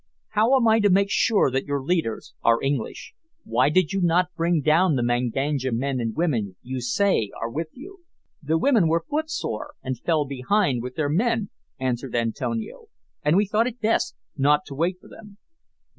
How am I to make sure that your leaders are English? Why did you not bring down the Manganja men and women you say are with you?" "The women were footsore, and fell behind with their men," answered Antonio, "and we thought it best not to wait for them."